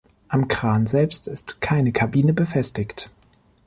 Am Kran selbst ist keine Kabine befestigt.